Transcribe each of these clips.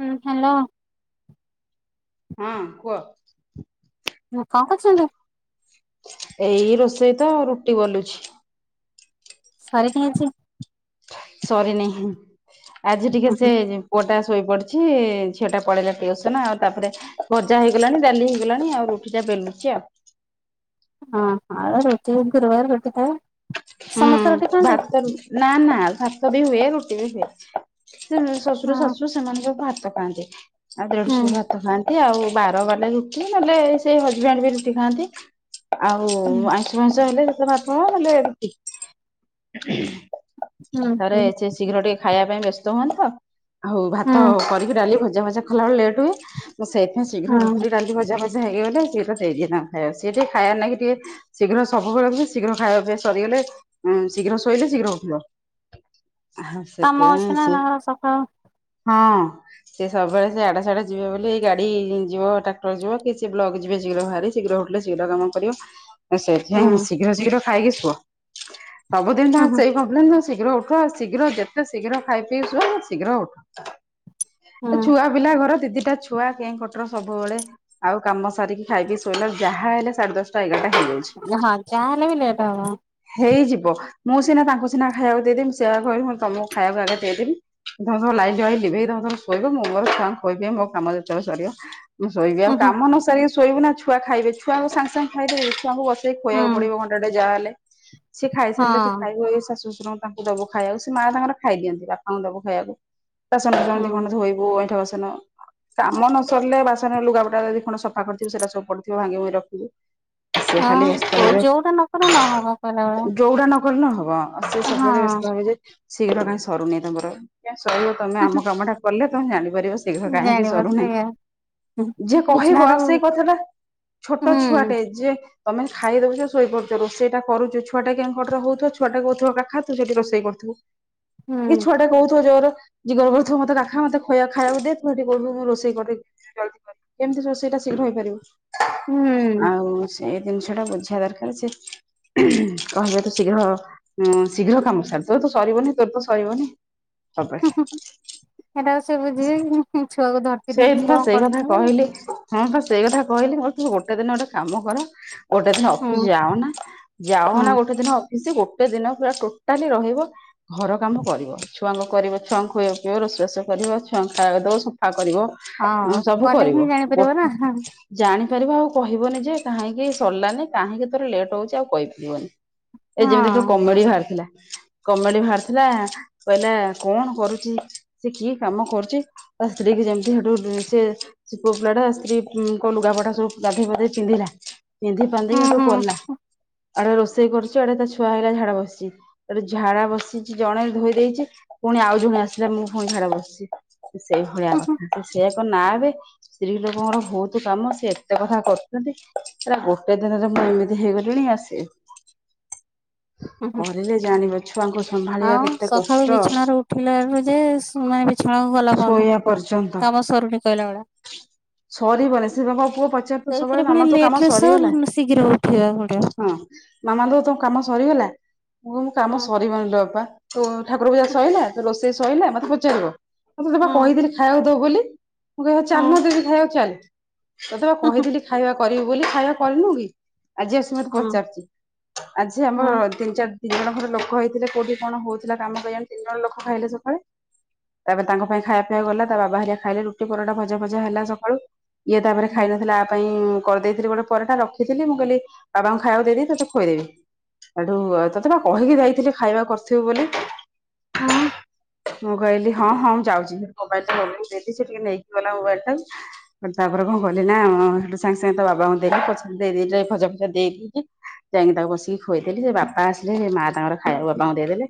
ହୁଁ ହାଲୋ। ହଁ କୁହ? ହୁଁ କଣ କରୁଛନ୍ତି? ଏଇ ରୋଷେଇ ତ ରୁଟି ବେଲୁଛି। ସାରି କାଇଁ ଆଜି। ସରିନି ଆଜି ଟିକେ ସେ ହଁ ପୁଅଟା ଶୋଇପଡ଼ିଛି ଝିଅଟା ପଳେଇଲା ଟ୍ୟୁସନ୍ ଆଉ ତାପରେ ଭଜା ହେଇଗଲାଣି ଡାଲି ହେଇଗଲାଣି ଆଉ ରୁଟିଟା ବେଲୁଛି ଆଉ ହଁ ହଁ ରୁଟି ରୁମକୁ ଦବାର ଭେଟି ଥାଏ। ହୁଁ ଭାତ ରୁଟି ନା ନା ଭାତ ବି ହୁଏ ରୁଟି ବି ହୁଏ। ସେ ଶ୍ୱଶୁର ହଁ ଶାଶୁ ସେମାନେ ସବୁ ଭାତ ଖାଆନ୍ତି ଆଉ ଦେଢଶୁର ଭା ହୁଁ ଭାତ ଖାଆନ୍ତି ଆଉ ବାର ବାଲେ ରୁଟି ନହେଲେ ସେଇ ହଜବେଣ୍ଡ ବି ରୁଟି ଖାଆନ୍ତି। ଆଉ ହୁଁ ଆଇଁଷୁ ଫଇଁଷ ହେଲେ ସେତେ ହେଲେ। ହୁଁ ଥରେ ହୁଁ ସେ ଶୀଘ୍ର ଟିକେ ଖାଇବା ପାଇଁ ବ୍ୟସ୍ତ ହୁଅନ୍ତ ତ। ଆଉ ଭାତ ହୁଁ କରିକି ଡାଲି ଭଜା ଭଜା ଖଲାବେଳେେଟ୍ ହୁଏ ତ ସେଇଥିାଇଁ ଶୀଘ୍ର ହୁଁ ରୁଟି ଡାଲି ଭଜା ଭଜା। ହେିବ ବେ ସେଇଏ ସେରିିଆ ନ ଖାଇ ସ ସେ ଟ ଖାଇା ନଁ କେ ଟେ। ଶୀଘ୍ର ସବୁବେଳେ ଶୀଘ୍ର ଖାଇବା ପିଇବା ସରିଗଲେ ଉ ଶୀଘ୍ର ଶୋଇଲେ ଶୀଘ୍ର ହଥିବ। ହଁ କାମ ଅଛି ନା ସେଥିାଇଁଛି ତାଙ୍କର ସକାଳୁ ହଁ। ସେ ସବୁବେଳେ ସେ ଆଡା ସଡେ ଯିବେ ବୋଲିଇ ଗାଡି ଯିବ ଟ୍ରାକ୍ଟର ଯିବ କି ସେ ବ୍ଲକ ଯିବେ ଶୀଘ୍ର ବାହାରି। ଶୀଘ୍ର ହଟିଲେ ଶୀଘ୍ର କାମ କରିବ। ହ। ସେଥିପାଇଁ ଶୀଘ୍ର ଶୀଘ୍ର ଖାଇକି ଶୁଅ ସବୁଦିନ ତ ହୁଁ ହୁଁ ସେଇ କ ଶୀଘ୍ର ଉଠ ଶୀଘ୍ର ଯେତେ ଶୀଘ୍ର ଖାଇ ପି ସୁଅ ଶୀଘ୍ର ଉଠ। ଏ ହୁଁ ଛୁଆ ପିଲା ଘର ଦିଦିଟା ଛୁଆ କେ କଟର ସବୁବେଳେ। ଆଉ କାମ ସରିକି ଖାଇକି ଶୋଇଲା ଯାହା ହେଲେ ସାଢେ ଦଶଟା ଏଗାରଟା ହେଇଯାଉଛି। ହଁ ଯାହେଲେ ବିି ଲେଟ୍ ହବ। ହେଇଯିବ ମୁଁ ସିନା ତାଙ୍କୁ ସିନା ଖାଇବାକୁ ଦେଇଦେମି ସିଏ ପା କହିବେ ମୁ ତମକୁ ଖାଇବାକୁ ଆଗେ ଦେଇଦବି। ଧଥର ଲାଇାଇିବିଇର ଶୋଇିବ ମୁଁ ମୋର ଛଆଙ୍କୁ ଶୋଇିବି ମୋ କାମ ସରିବ। [unintelligible] ମୁଁ ଶୋଇବି ହୁଁ ଆଉ ହୁଁ କାମ ନ ସାରିକି ଶୋଇବୁ ନା ଛୁଆ ଖାଇବେ ଛୁଆକୁ ସାଙ୍ଗେ ସାଙ୍ଗେ ଖାଇଦେବ। ଛୁଆଙ୍କୁ ବସେଇି ହୁଁ ଖୁଆକୁ ପଡିବ ଘଣ୍ଟା ଟେ ଯାହା ହେଲେ ସିଏ ହଁ ଖାଇସାରିଲେ ତୁ ଖାଇବୁଇ ଶାଶୁ ଶଶୁର। ତାଙ୍କୁ ଦବ ଖାଇବାକୁ ସେ ମାଆ ତାଙ୍କର ଖାଇ ଦିଅନ୍ତି ବାପାଙ୍କୁ ଦବ ଖାଇବାକୁ। ବାସନ ହୁଁ ଦିଖଣ୍ଡ ଧୋଇବୁ ଏଇଠା ବାସନ। କାମ ନ ସରିଲେ ବାସନରେ ଲୁଗାପଟା ଯଦି ଖଣ୍ଡ ସଫା କରିଥିବୁ ସେଇଟା ସବୁ ପଡିଥିବ ଭାଙ୍ଗି ଭୁଙ୍ଗୀ ରଖିବୁ। ହ କୋ ଯୋଉଟା ନକଲେ ନହବ। କହିଲା ଭଳିଆ ଯଉଡା ନକଲେ ହବ ଆ ସେ ସବୁବେଳେ ହଁ ବ୍ୟସ୍ତ ହେଇଯିବେ ସେ ଶୀଘ୍ର କାହିଁକି ସରୁନି ତମର। ଆଜ୍ଞ ସରିବ ତମେ ହୁଁ ଆମ କାମ ଟା କଲେ ତମେ ଜାଣିପାରିବ ଶୀଘ୍ର ହୁଁ କାହିଁକି ଜାଣିବ ସରୁନି। ସେଇଆ ଯେ କହିବ ବିଛଣାରୁ ଆଉ ସେଇ କଥା ଟା ଛୋଟ ହୁଁ ଛୁଆଟେ ହୁଁ ଯେ। ତମେ ଖାଇଦଉଛ ଶୋଇ ପଡୁଛ ରୋଷେଇଟା। କରୁଛୁ ଛୁଆା କେଁ କଟର ହୋଇଥିବ ଛୁଟା କଉଥିବ କାଖା ସେଠି ରଷେଇ କରୁଥୁ। କି ଛୁଆ ଟା କହୁଥିବ ଜୋର। ଯ ଗର୍ବରେ ଥିବ ମତେ କା ମତେ ଖୁଆ ଖାଇବାକୁ ଦେ ଥୁ ଟି କରଲୁ ମୁଁ ରୋଷେଇ କର। [unintelligible] କେମିତି ସେଇଟା ଶୀଘ୍ର ହୁଁ ହୁଁ ହେଇପାରିବ ଆଉ ସେଇ ଜିନିଷ ଟା ବୁଝିବା ଦରକାର ସେ। କହିବା ତ ଶୀଘ୍ର ଉ ଶୀଘ୍ର କାମ ସାରିଲ ତୋର ତ ସରିବନି ତୋର ତ ସରିବନି। ହ। [unintelligible] ଏଟାକୁ ସେ ବୁଝିବି ଛୁଆକୁ ଧର। ସେଇଠପ ସେଇ କଥା କହିଲି ହଁ ସେଇ କଥା କହିଲି ମ ଗୋଟେ ଦିନ ଗୋଟେ କାମ କର। [unintelligible] ଗୋଟେ ଦିନ ହୁଁ ଅଫିସ ଯାଅନା ହୁଁ ଯାଅନା ଗୋଟେ ଦିନ। ଗୋଟେ ଦିନ ପୁରା ଟୋଟାଲି ରହିବ। ଘର କାମ କରିବ ଛୁଆଙ୍କୁ କରିବ ଛୁଆଙ୍କୁ ଖୋଇବ ପେଇବ କରିବ ରୋଷେଇ ବାସ କରିବ ଛୁଆ ଙ୍କୁ ଖାଇବାକୁ ଦେବା ସବୁ। ା କରିବ ହଁ ସବୁ କଲେ ହିଁ କରିବ ଗୋ। ଜାଣିପାରିବ ନା [unintelligible] ହଁ ଜାଣିପାରିବ ଆଉ କହିବନି ଯେ କାହିଁକି ସରିଲାନି କାହିଁକି ତୋର ଲେଟ୍ ହଉଛି ଆଉ କହିପାରିବନି। ଏ ଯେମିତି କମେଡି ବାହାରି ଥିଲା। କମେଡି ବାହାରିଥିଲା କହିଲା କଣ କରୁଛି ସେ କିଏ କାମ କରୁଛି। ତା ସ୍ତ୍ରୀ କି ଯେମିତି ହେଠୁ ସେ। ସେ ପୁଅ ପିଲାଟା ସ୍ତ୍ରୀ ଲୁଗାପଟା ସବୁ ଗାଧେଇ ପାଧେଇ ପିନ୍ଧିଲା। ପିନ୍ଧି ପାଧି ହୁଁ ସେଠୁ ହୁଁ କଲା ଆଡେ ରୋଷେଇ କରୁଛି ଆଡେ ତା ଛୁଆ ହେଇଲା ଝାଡା ବସିଛି। ତା ଝାଡା ବସିଛି ଜଣେ ଧୋଇ ଦେଇଛି ପୁଣି ଆଉ ଜଣେ ଆସିଲା ମୁଁ ପୁଣି ଝାଡା ବସିଛି। ସେଇ ଭଳିଆ ହୁଁ ହୁଁ କଥା ସେଏ ଏକ ନାଁ ଏବେ। ସ୍ତ୍ରୀ ଲୋକଙ୍କର ବହୁତ କାମ ସେ ଏତେ କଥା କରୁଛନ୍ତି ହେରା ଗୋଟେ ଦିନରେ ମୁଁ ଏମିତି ହେଇଗଲିଣି ଆ ସେ। [unintelligible] [inaudible] ହୁଁ ହୁଁ କରିଲେ ଜାଣିବ ଛୁଆଙ୍କୁ ସମ୍ଭାଳିବା କେତେ କଷ୍ଟ। ଉଠିଳା ଆଳୁ ଯେ ସିଏ ମାନେ ବିଛଣାକୁ ଗଲା ପନ୍ତ ଶୋଇବା ପର୍ଯ୍ୟନ୍ତ କାମ ସରୁନି କହିଲା ଭଳିଆ। ସରିବନି ସେ ବା ମୋ ପୁଅ ପଚାରୁଥିବ ସେଇଥିରେ ସବୁବେଳେ ପୁଣି ମାମା ତୋ କାମ ଲେଟ ରେ ସୋ ସରିଗଲା। ଶୀଘ୍ର ଉଠିବାକୁ ପଡିବ। ହଁ ମାମାଲୋ ତୋ କାମ ସରିଗଲା ପୁଅ ମୋ ହୁଁ କାମ ସରିବନିଲୋ ବାପା ତୋ ଠାକୁର ପୂଜା ସଇଲା ତୋ ରୋଷେଇ ସଇଲା ମତେ ପଚାରିବ ତତେ ପା ହୁଁ କହିଥିଲି ଖାଇବାକୁ ଦବୁ ବୋଲି। ମୁଁ କହିବି ହୁଁ ଚାଲୁନୁ ଜଦି ଖାଇବାକୁ ଚାଲ। ତତେ ବା ହୁଁ କହିଥିଲି ଖାଇବା କରିବୁ ବୋଲି ଖାଇବା କରିନୁ କି ଆଜି ଆସି ମତେ ହୁଁ ପଚାରୁଛି ଆଜି ହୁଁ ଆମର ତିନି ଚାର ତିନି ଜଣ ଘର ଲୋକ ହେଇଥିଲେ କୋଉଠି କଣ ହଉଥିଲା କାମ କେଆଣି ତିନି ଜଣ ଲୋକ ଖାଇଲେ ସକାଳେ। ତାପରେ ତାଙ୍କ ପାଇଁ ଖାଇବା ପିଇବା ଗଲା ତା ବାବା ହାରିକା ଖାଇଲେ ରୁଟି ପରଟା ଭଜା ଭୁଜି ହେଲା ସକାଳୁ। ଇଏ ତାପରେ ହୁଁ ଖାଇ ନଥିଲା ଆ ପାଇଁ କରିଦେଇଥିଲି ଗୋଟେ ପରେ ଟା ରଖିଥିଲି ମୁଁ କହିଲି ବାବାଙ୍କୁ ଖାଇବାକୁ ଦେଇଦେଇକି ଏଇଠି ଖୋଇଦେବି। ହେଠୁ ତୋତେ ପା କହିକି ଯାଇଥିଲି ଖାଇବା କରିଥିବୁ ବୋଲି। ହୁଁ ମୁଁ କହିଲି ହଁ ହଁ ମୁଁ ଯାଉଛି ସେଠି ମୋବାଇଲଟା ଦେଇଦେ ସେ ଟିକେ ନେଇକି ଗଲା ମୋବାଇଲବଟା। ତାପରେ କଣ କଲି ନା ସେଠୁ ସାଙ୍ଗେ ସାଙ୍ଗେ ତା ବାବାଙ୍କୁ ଦେଇକି ପଛେରେ ଦେଇ ଦେଇକିରି ଭଜା ଫଜା ଦେଇ ଦେଇଚି। ଯାଇକି ତାକୁ ବସିକି ଖୁଏଇଦେଲି ସେ ବାପା ଆସିଲେ ସେ ମା ତାଙ୍କର ଖାଇବାକୁ ବାପାଙ୍କୁ ଦେଇଦେଲେ।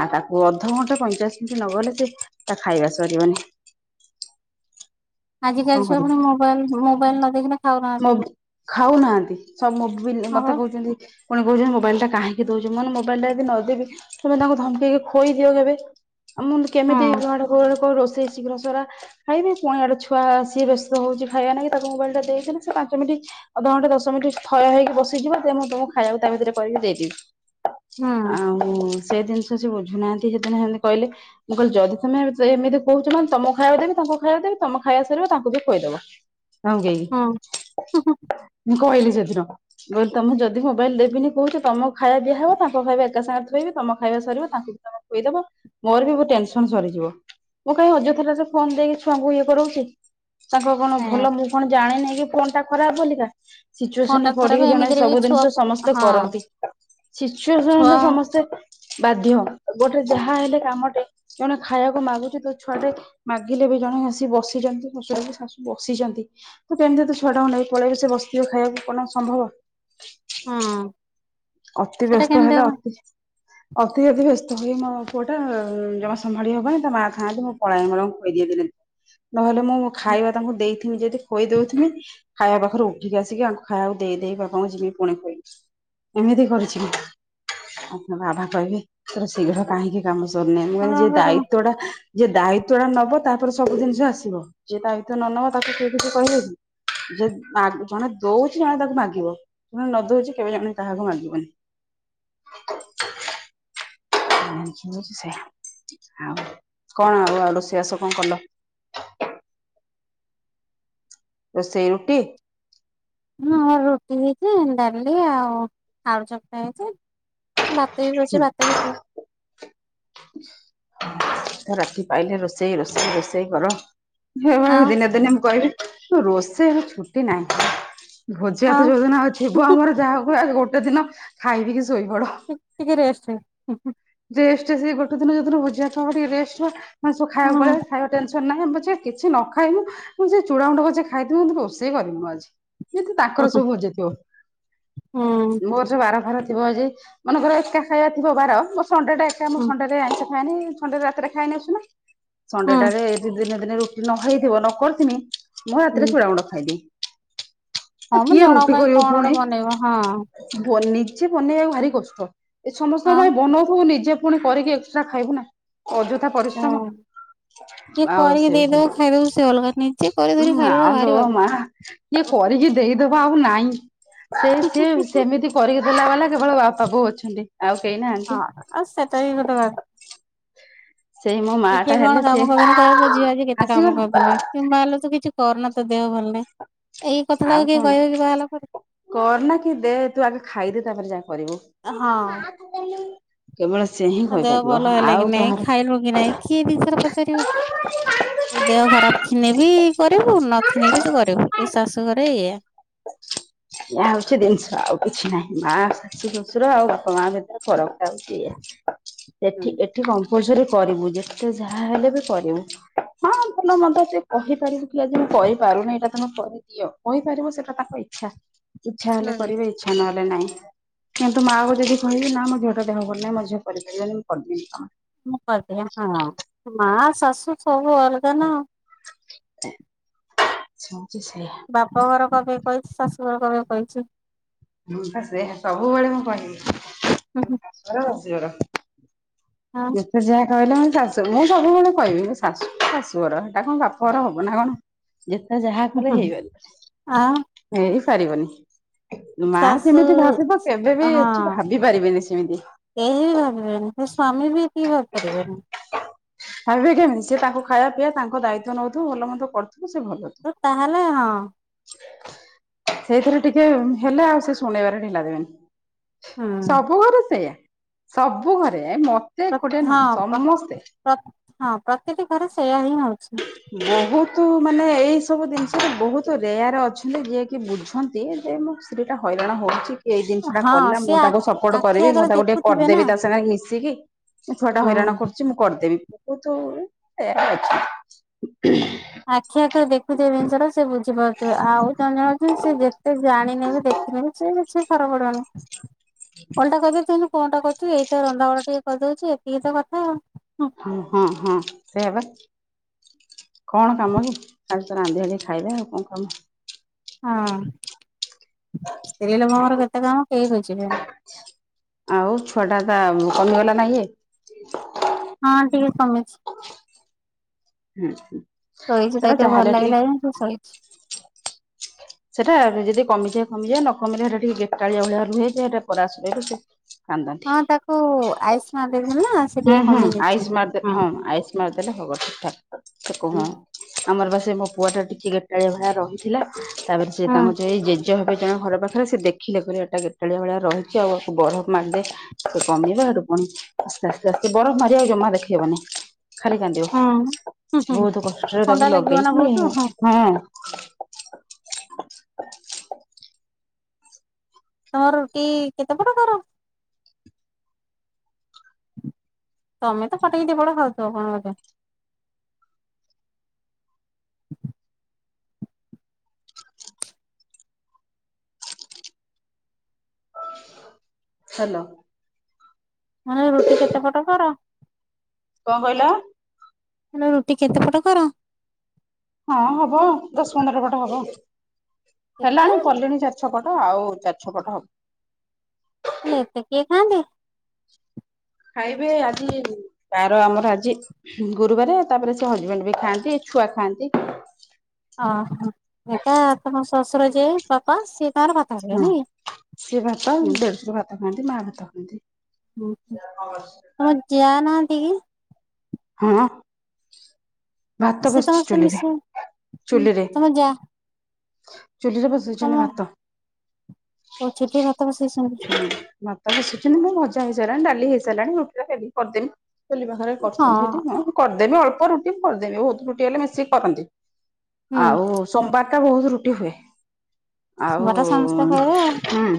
ଆଉ ତାକୁ ଅଧଘଣ୍ଟା ପଇଁଚାଶ ମିନିଟ୍ ନଗଲେ ସେ ତା ଖାଇବା ସରିବନି। ଆଜିକାଲି କଣ ଛୁଆ କରିବା ପୁଣି ମୋବାଇଲ ମୋବାଇଲ ନ ଦେଖିଲେ ଖାଉନାହାନ୍ତି ଖାଉ ଖାଉ ନାହାନ୍ତି। ସବ ମୁଦୁ ହଁ ମତେ ବା କହୁଛନ୍ତି। ପୁଣି କହୁଛନ୍ତି ମୋବାଇଲ ଟା କାହିଁକି ଦୋଉଛନତି ମାନେ ମୋବାଇଲ ଟା ଯଦି ନଦବୁ ସିଏପା ତାଙ୍କୁ ଧମକେଇକି ଖୋଇ ଦିଅ କେବେ? ଆଉ ମୁଁ ଏମିତି କେମିତି ହୁଁ କୁଆଡେ କଣ ରୋଷେଇ ଶୀଘ୍ର ସାର ଖାଇବି ପୁଣି ଆଡେ ଛୁ ଉଆ ଆସି ବ୍ୟସ୍ତ ହୋଉଚି ଖାଇବା ନାକି ତାକୁ ମୋବାଇଲଟ ଦେଇଦେଲେ ସେ ପାଞ୍ଚିମିନଟ୍ ଅଧଘଣ୍ଟା ଦଶ ମିନିଟ ଥୟ ହେଇକି ବସିଯିବ ଯେ ମୁଁ ତମକୁ ଖାଇବାକୁ ତା ଭିତରେ କରିକି ଦେଇଦେବି। ହୁଁ ଆଉ ସେ ଜିନିଷ ସେ ବୁଝୁନାହାନ୍ତି ସେଦିନ ହେମିତି କହିଲେ। ମୁଁ କହିଲି ଯଦି ତମେ ଏମିତି କହୁଛ ମାନେ ତମକୁ ଖାଇବାକୁ ଦେବି ତାଙ୍କୁ ଖାଇବାକୁ ଦେବି ତମ ଖାଇଆସାରିବ ତାଙ୍କୁ ବି ଖୁଇଦବ। ହୁଁ ମୁହଁଧୋଇକି ମୁଁ କହିଲି ସେଦିନ। ଯଦି ତମେ ଯଦି ମୋବାଇଲ ଦେବିନି କହୁଛ ତମକୁ ଖାଇଆ ଦିଆହବ ତାଙ୍କୁ ଖାଇବା ଏକା ସାଙ୍ଗରେ ଥୋଇବି ତମ ଖାଇବା ସରିବ ତାଙ୍କୁ ବି ତମ ସେଇଟାପା ମୋର ବି ଟେନସନ ସରିଯିବ। ମୁଁ କାହିଁ ଅଯଥାରେ ଫୋନ ଦେଇକି ଛୁଆଙ୍କୁ ଇଏ କରି ତାଙ୍କର କଣ ସେଇଆ ଭଲ ମୁଁ କଣ ଜାଣିନେହି କି ଫୋନ ଟା ଖରାପ ବୋଲିକା। ଫୋନ୍ ଟା ସିଚୁଏସନରେ ଖରାପ ପଡିକି ଜଣେ ଏମିତିରେ ବି ସବୁ ଛୁଆ ଜିନିଷ ସମସ୍ତେ ହଁ କରନ୍ତି। ଛୁଆ ସିଚୁଏସନରେ ସମସ୍ତେ ବାଧ୍ୟ ଗୋଟେ ଯାହା ହେଲେ କାମଟେ ଜଣେ ଖାଇବାକୁ ମାଗୁଛି ତା ଛୁଆଟେ ମାଗିଲେ ବି ଜଣେ ଆସି ବସି ତୁ ଜାଣିଚୁକି ସୁଆମୀ ଶାଶୁ ବସିଚନ୍ତି। ତୁ [unintelligible] ତା ଛୁଆଟାକୁ ନେଇକି ପଳେଇବୁ ସେ ବସିଥିବେ ଖାଇବାକୁ କଣ ସମ୍ଭବ। ହଁ। ଅତି ବ୍ୟସ୍ତ ହେଲେ ଅତି ଅତି ଯଦି ବ୍ୟସ୍ତ ହୁଏ ମୋ ପୁଅଟା ଜମା ସମ୍ଭାଳି ହବନି ତା ମାଆ ଥାଆନ୍ତି ମୁଁ ପଳାଏ ମୋର ଖୋଇଦେଇକିରି। ନହେଲେ ମୁଁ ମୋ ଖାଇବା ତାଙ୍କୁ ଦେଇ ଯଦି ଖୋଇଦୋଉଥୁମି ଖାଇବା ପାଖରୁ ଉଠିକି ଆସିକି ଆଙ୍କୁ ଖାଇବାକୁ ଦେଇ ଦେଇକି ବାପାଙ୍କୁ ଯିମି ପୁଣି ଖୋଇବି। ଏମିତି କରୁଛି କି ଆପଣ ଆଭା କହିବେ ତୋର ଶୀଘ୍ର କାହିଁକି କାମ ସର ନେଇ ମୁଁ କହିଲି ଯେ ଦାୟିତ୍ବଟା ଯିଏ ଦାୟିତ୍ଵଟା ନବ ତାପରେ ସବୁ ଜିନିଷ ଆସିବ। ଯିଏ ଦାୟିତ୍ଵ ନ ନବ ତାକୁ ସେ କିଛି କହିବେ କି? ଯେ ମା ଜଣେ ଦଉଛି ଜଣେ ତାକୁ ମାଗିବ ଜଣେ ନ ଦଉଛି କେବେ ଜଣେ କାହାକୁ ମାଗିବନି। କ ମୁଁ ହୋଉଚି ମୁଁ ହୋଉଚି ସେଇଆ ଆଉ କଣ ଆଉ ରୋଷେଇ ବାସ କଣ କଲ। ରୋଷେଇ ରୁଟି। ହଁ ରୁଟି ହେଇଚି ଡାଲି ଆଉ ଆଳୁ ଚକଟା ହେଇଚି। ବାତ ବି କରଚି ବାତ ବି ଖାଉଁ। ରାତି ପାଇଲେ ରୋଷେଇ ରୋଷେଇ ରୋଷେଇ କର। [unintelligible] ଆଉ ଦିନେ ଦିନେ ମୁଁ କହିବି ରୋଷେଇରୁ ଛୁଟି ନାହିଁ। ଭୋଜିଆ ତ ଆଉ ଯୋଉ ଦିନ ଥିବ ଆମର, ଯାହାକୁୁ ଗୋଟେ ଦିନ ଖାଇବ କିି ଶୋଇ ପଡ [inaudible] ରେଷ୍ଟ ସେ ଗୋଟେ ଦିନ ଯଦ ଭୁଝିବା ଟିକ ରେ ମ ଖାଇବାକୁ ଖାଇବା ଟେନସନ ନାହିଁ। କିଛି ନ ଖାଇବୁ ମୁଁ ସେ ଚୂଡା ମୁୁଣ୍ଡ ପ ସେ ଖାଇଥିବି ମୁନ୍ତୁ ରୋଷେଇ କରିବୁ ଆଜି ଯେ ତାଙ୍କର ହୁଁ ସବୁ ହଜିଇଥିବ ହୁଁ ମୋର ବାର ବାର ଥିବ, ମନେଙ୍କର ଏକା ଖାଇବା ଥିବ ବାର, ମୋ ସେ ଟା ହୁଁ ଏକାେ ଆ ଖାଇନି ରାତିରେ ଖାଇନି [unintelligible] ଆ ନା ଣ୍ଡେ ହୁଁ ଟାରେ ଦ ଦିନେ ଦିନ ରୁ ନ ହେଇଥିବ ନ କରିଥମି ମୁଁ ରାତିରେ ଚୁଡ଼ ଗୁଣ୍ଡ ଖାଇଦି ହଁ ମୁଁ ଜଣଙ୍କ ପାଇଁ କଣରେ ବନେଇବ ହଁ ଵ-ନିଜେ ବନେଇବାକୁ ଭାରି କଷ୍ଟ। ଏ ସମସ୍ତଙ୍କ ଆଉ ପାଇଁ ବନଉ ତୁ ନିଜେ ପୁଣି କରିକି ଏକ୍ସଟ୍ରା ଖାଇବୁ ନା। ଅଯଥା ପରିଶ୍ରମ। କିଏ ଆଉ କରିକି ସେ ଦେଇଦବ ଖାଇଦବ ସେ ଅଲଗା ନିଜେ କରିଧରି [unintelligible] ଖାଇଲା ବେଳକୁ ମା ଲୋ ଭାରି ବାଧିବ। ମା। ଇଏ କରିକି ଦେଇଦବା ଆଉ ନାଇଁ। ସେଇ ସିଏ ସେମିତି କରିକି ଦେଲା ବାଲା କେବଳ ବାପା ବୋଉ ଅଛନ୍ତି। ଆଉ କେହି ନାହାନ୍ତି। ହଁ ଆଉ ସେଟା ବି ଗୋଟେ ବା ସେଇ ମୋ ମା ଟିକିଏ ଟା କଣ ହେଲେ କାମ ସିଏ କରିଦେଲେ କହିବ, ମୋ ଝିଅ ଆଜି କେତେ କାମ ଆସିଗଲା କରିଦେଲା। କି ମା ଲୋ ତୁ କିଛି କରନା। ତ ଦେହ ଭଲ ନାଇଁ। ଏଇ ଆଉ କଥାଟାକୁ କିଏ କଣ କହିବେ କି ବାହାହେଲା ପରେ? କରନା କି ଦେ ତୁ ଆଗେ ଖାଇଦେ ତାପରେ ଯାହା କରିବୁ। ହଁ। କେବଳ ସେ ହିଁ ତୋ ଦେହ କହିପାରିବ। ଭଲ ହେଲା କି ଆଉ ନାଇଁ କାହାର ଖାଇଲୁ ନାଇଁ। କିଏ ଦି ଥର ପଚାରିବ? ତୁ ଦେହ ଖରାପ ଥିନେ ବି କରିବୁ। ନଥିନେ ବି ତୁ କରିବୁ। ଏ ଏହା ଶାଶୁଘରେ ଏଇଆ। ୟା ହଉଛି ଜିନିଷ। ଆଉ କିଛି ନାହିଁ। ମା ଶାଶୁ ଶ୍ଵଶୁର ଆଉ ବାପା ମା ଫରକଟା ହଉଛି ଏଇଆ। ହୁଁ ସେଠି ଏ ଏଠି କମ୍ପଲସୋରି କରିବୁ। ଯେତେ ଯାହା ହେଲେ ବି କରିବୁ। ହଁ ଭଲ ମନ୍ଦ ସେ କହିପାରିବୁ କି ଆଜି ମୁଁ କରିପାରୁନି। ଏଇଟା ତମେ କର। ଦିଅ କହିପାରିବ ସେଇଟା ତାଙ୍କ ଇଚ୍ଛା। ଇଚ୍ଛା ହେଲେ କରିବେ, ଇଚ୍ଛା ନହେଲେ ନାଇଁ। କିନ୍ତୁ ମା ଯଦି କହିବେ, ନା ମ ଝିଅଟା ଦେହ ଭଲ ନାହିଁ। ମ ଝିଅ କରିପାରିବନି। ମୁଁ କରିଦିଏ କାମ। ମୁ [unintelligible] ହଁ ମା ଶାଶୁ ସବୁ ଅଲଗା ନା। [unintelligible] ସେୟା। ବାପଘର କଣ ପାଇଁ କହିଛି? ଶାଶୁଘର କଣ ପାଇଁ କହିଛି? ହୁଁ ବା ସେଇଆ। ସବୁବେଳେ ମୁଁ କହିବି। [inaudible] ହେ ବସିପଡ଼। ଆଁ ଯେ ଯାହା କହିଲେ, ମୁଁ ଶାଶୁ ମୁଁ ସବୁବେଳେ କହିବି ମୁଁ ଶାଶୁ ଶାଶୁ ଘର। ଏଟା କଣ ବାପଘର ହବ ନା କଣ? ଯେତେ ଯାହା ହୁଁ କହିଲେ ହୁଁ ଆଁ ହେଇପାରିବନି। ହେଇପାରିବନି। ମା ଶାଶୁ ଯେମିତି ଭାବିବ, କେବେ ବି ଏଠି ହଁ ଭାବି ପାରିବେନି ସେମିତି। କେହି ବି ଭାବିବେନି। ସେ ସ୍ଵାମୀ ବି ଏତିକି ଭାବିପାରିବେନି। ହଁ ବା ଯଉଁ ସେ ତାଙ୍କୁ ଖାଇବା, ପିଇବା, ତାଙ୍କ ଦାୟିତ୍ଵ ନଉଥିବ, ଭଲ ମନ୍ଦ କରୁଥିବ ସେ ଭଲ। ଥିବ। ତ ତାହେଲେ ହଁ ସେଇଥିରେ ଟିକେ ହେଲେ ଆଉ ସେ ଶୁଣେଇବାରେ ଢିଲା ଦେବେନି। ହୁଁ ସବୁ ଘରେ ସେଇଆ। ସବୁ ଘରେ ଏ ମ [unintelligible] ପ୍ରତିଟି ଘରେ ସେଇଆ ହିଁ ହଉଛି। ବହୁତ ମାନେ ଏଇ ସବୁ ଜିନିଷରେ ବହୁତ ତ ରେୟାର ଅଛନ୍ତି ଯିଏକ ବୁଝନ୍ତି। ଯେ ମୋ ସ୍ତ୍ରୀ ଟା ହଇରାଣ ହଉଛି। ଏଇ ଜିନିଷଟା ହଁ କଲା। ମୁଁ ସିଏ ତାକୁ ଆଖି ସପୋର୍ଟ ଆଖି କରିବି। ମୁଁ ଆଗରେ ତାକୁ ଟିକେ ଦେଖୁଥିବେ ନା କରିଦେବି ତା ସାଙ୍ଗେ ମିଶିକି। ସେ ଛୁଆଟା ହଁ। ହଇରାଣ କରୁଛି। ମୁଁ କରିଦେବି। ବହୁତ [unintelligible] ଅଛି। ଆଖି ଆଗରେ ଦେଖୁଥିବେ ଜିନିଷଟା, ସେ ବୁଝିପାରୁଥିବେ। ଆଉ ଜଣେ ଜଣେ ଅଛନ୍ତି, ସେ ଯେତେ ଜାଣିନେବି, ଦେ କିଛି କିଛି ଫରକ୍ ପଡିବନି। ଓଲଟା କହିଦେଇଥାନ୍ତେ କଣଟା କରୁଛି? ଏଇତ ରନ୍ଧାବଢ଼ା ଟିକେ କରିଦଉଛି। ଏତିକି ତ କଥା ଆଉ। ହଁ ହଁ ହଁ। ସେୟାବା। କଣ କାମ କି? ଖାଲି ତ ରାନ୍ଧି ବାଢ଼ିକି ଖାଇବା। ଆଉ କଣ କାମ? ହଁ। ସ୍ତ୍ରୀ ଲୋକଙ୍କର କେତେ କାମ କେହି ବୁଝିବେନି। ଆଉ। ଛୁଆଟା ତା କମିଗଲା ନା ଇୟେ। ହଁ ଟିକେ କମିଛି। ହୁଁ ହୁଁ ଶୋଇଛି। ସେଟା ତାକୁ ଟିକେ ଯାହାହେଲେ ଭଲ ଲାଗିଲା। ଯେ ଉ ସୋଇଛି। ସେଟା ଯଦି କମିଯିବ କମିଯିବା। ନ କମିଲେ ହେଟା ଟିକେ ଗେଟାଳିଆ ଭଳିଆ ରୁହେ ଯେ ହେଟା ପରାସ [unintelligible] କାନ୍ଦନ୍ତି। ହଁ ତାକୁ ଆଇସ୍ ମାରିଦେଇଥିଲି ନା ସେ ହୁଁ ଟିକେ ହୁଁ କମି ଯାଇଛି। ଆଇସ୍ ମାରିଦେ। ହଁ ଆଇସ୍ ମାରିଦେଲେ ହବ ଠିକ୍ ଠାକ୍ ସେ କ ହୁଁ [unintelligible] ଆମର ବା ସେ ମୋ ପୁଆଟା ଟିକେ ଗଟାଳିଆ ଭାର ରହିଥିଲା ତାପରେ ସେ ହୁଁ। ତାଙ୍କ ଯେଇ ଜେ ଯୋହବେ ଜଣେ ଘର ପାଖରେ ସେ ଦେଖିଲେ ଏଇଟା ଗେଟାଳିଆ ଭଳିଆ ରହିଛି ଆଉ ଆକୁ ବରଫ ମାରିଦେ। ସେ କମେଇବା ହେଠୁ ପୁଣି ଆସ୍ତେ ଆସ୍ତେ ଆସ୍ତେ ବରଫ ମାରିବାକୁ ଜମା ଦେଖେଇବନି। ଖାଲି କାନ୍ଦିବ ହୁଁ ହୁଁ ବହୁତ କଷ୍ଟରେ ଥଣ୍ଡା ତାକୁ ଲାଗିବ ନା ବହୁତ ଲଗେଇକି ହଁ ତମର ରୁଟି କେତେ ପଟ କର? ତମେ ତ ପଟେ କି ଦି ପଟ ଖାଉଥିବ କଣ ବୋଧେ। ହେଲୋ। ମାନେ ରୁଟି କେତେ ପଟ କର? କଣ କହିଲ? ଏନା ରୁଟି କେତେ ପଟ କର? ହଁ ହବ ଦଶ ପନ୍ଦର ପଟ ହବ କେତେ ହେଲାଣି କଲିଣି ଚା ଛପଟ ଆଉ ଚାରିଛପଟ ହବ। ହେଲେ ଏତେ କିଏ ଖାଆନ୍ତି। ଖାଇବେ ଆଜି ତାର ଆମର ଆଜି ଗୁରୁବାରେ ତାପରେ ସେ ହଜବେଣ୍ଡ ବି ଖାଆନ୍ତି ଛୁଆ ଖାଆନ୍ତି। ଓହୋ ହେଟା ତମ ଶଶୁର ଯେ ବାପା ସିଏ ତାଙ୍କର ଭାତ ଖାଇବେ ହଁ ନାଇଁ ସେ ଭାତ କି ହୁଁ ଦେଢଶୂର ଭାତ ଖାଆନ୍ତି ମା ଭାତ ଖାଆନ୍ତି। ହୁଁ ହୁଁ। [unintelligible] ତମ ଯାଆ ନାହାନ୍ତି କି? ହଁ। ଭାତ ସେ ତମ ବସିଛି ସହିତ ଚୁଲିରେ ମିଶୁ ଚୁଲିରେ ତମ ଯା ଚୁଲିରେ ତମ ବସଉଛନ୍ତି ଭାତ। ଓ ଚୁଲି ଭାତ ବସେଇଛନ୍ତି। ହ ଭାତ ହସୁଛନ୍ତି ମୁଁ ମଜା ହେଇସାରିଲାଣି ଡାଲି ହେଇସାରିଲାଣି ରୁଟି ଟା ବେଲିକି କରିଦେବି। ଚଲିବା ଘରେ ହଁ କରୁଛନ୍ତି ହେଠି [unintelligible] କରିଦେବି ଅଳ୍ପ ରୁଟି କରିଦେମି ବହୁତ ରୁଟି ହେଲେ ମିଶିକି କରନ୍ତି ହୁଁ ଆଉ ସୋମବାରଟା ବହୁତ ରୁଟି ହୁଏ ଆଉ ବରା ସମସ୍ତେ ଖାଇବେ ଆଉ ହୁଁ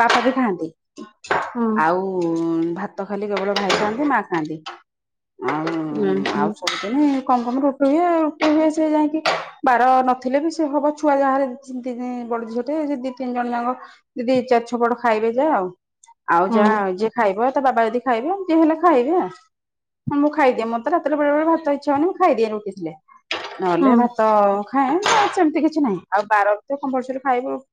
ବାପା ବି ଖାଆନ୍ତି। ହଁ। ଆଉ ଭାତ ଖାଲି କେବଳ ଭାଇ ଖାଆନ୍ତି ମା ଖାଆନ୍ତି ଆଉ ହୁଁ ହୁଁ ଆଉ ସ ସବୁ ଦିନେ କମ କମ ରୁଟ ହୁଏ ରୁଟ ହୁଏ ସେ ଯାଇକି ବାର ନଥିଲେ ବି ସେ ହବ ଛୁଆ ଯାହାରେ ସେଣ୍ଟି କାଇଁ ବଡ଼ ଝିଅଟେ ଦି ତିନି ଜଣ ଯାକ ଯଦି ଚା ଛପଟ ଖାଇବଯା ଆଉ ଆଉ ହୁଁ ଯାହା ଯିଏ ଖାଇବେ ତା ବାବା ଯଦି ଖାଇବେ ଯିଏ ହେଲେ ଖାଇବେ ଆ। ମୁଁ ଖାଇଦିଏ ମତେ ରାତିରେ ବେଳେ ବେଳେ ଭାତ ଇଚ୍ଛା ହବନି ମୁଁ ଖାଇଦିଏ ରୁଟି ଥିଲେ। ନହେଲେ ହୁଁ। ଭାତ ଖାଏ ସେମିତି କିଛି ନାହିଁ ଆଉ ବାର ଥିଲେ କମ୍ପଲସରି ଖାଇବୁ